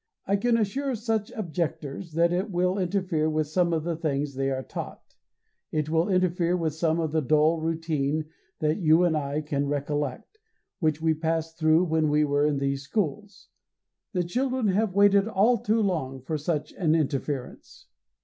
I can assure such objectors that it will interfere with some of the things they are taught. It will interfere with some of the dull routine that you and I can recollect, which we passed through when we were in these schools. The children have waited all too long for such an interference."